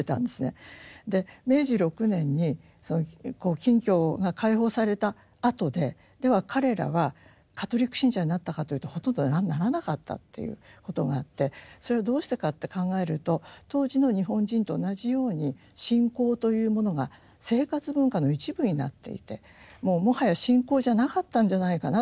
で明治６年に禁教が解放されたあとででは彼らはカトリック信者になったかというとほとんどならなかったっていうことがあってそれはどうしてかって考えると当時の日本人と同じように信仰というものが生活文化の一部になっていてもうもはや信仰じゃなかったんじゃないかなっていうふうに思うんですね。